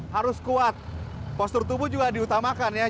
harus kuat postur tubuh juga diutamakan ya